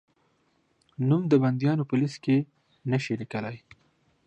نوم د بندیانو په لېسټ کې نه شې لیکلای؟